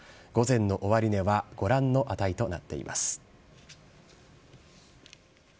午前の終値はご覧の値となっています。